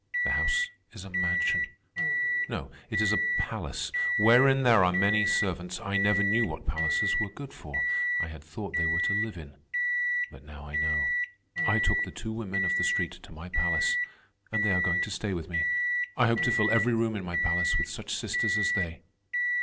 The house is a mansion. No, it is a palace, wherein there are many servants. I never knew what palaces were good for. I had thought they were to live in. But now I know. I took the two women of the street to my palace, and they are going to stay with me. I hope to fill every room in my palace with such sisters as they."